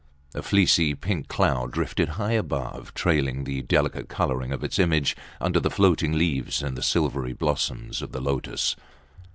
A fleecy pink cloud drifted high above, trailing the delicate colouring of its image under the floating leaves and the silvery blossoms of the lotus.